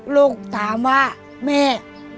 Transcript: ลูกถามว่าแม่